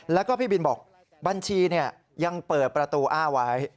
แล้วก็พี่บินบอกบัญชียังเปิดประตูอ้าไว้